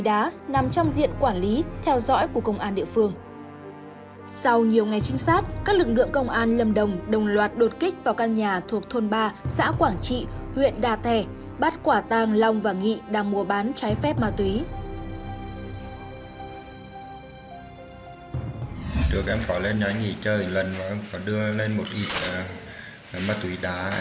sau nhiều ngày trinh sát các lực lượng công an lâm đồng loạt đột kích vào căn nhà thuộc thôn ba xã quảng trị huyện đà thẻ bắt quả tàng long và nghị đang mua bán trái phép ma túy